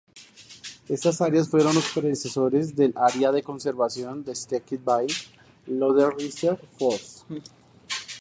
Estas áreas fueron los predecesores del área de conservación de Steckby-Lödderitzer Forst.